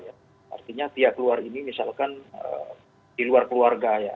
artinya pihak luar ini misalkan di luar keluarga ya